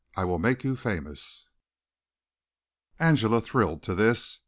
I will make you famous." Angela thrilled to this.